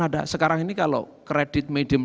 ada sekarang ini kalau kredit medium